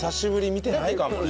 見てないかもね。